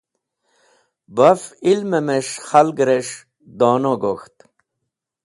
Baf ilmẽ mesh khalgẽrẽs̃h dono gok̃ht.